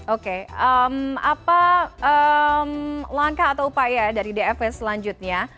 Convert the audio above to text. oke apa langkah atau upaya dari dfw selanjutnya